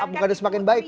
bukannya semakin baik